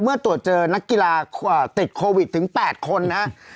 เมื่อตรวจเจอนักกีฬาติดโควิดถึง๘คนนะ